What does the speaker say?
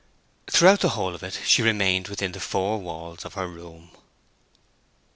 Throughout the whole of it she remained within the four walls of her room.